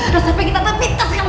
gak usah pengen tatap mitas kamu